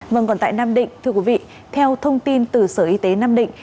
vâng còn tại nam định thưa quý vị theo thông tin từ sở y tế nam định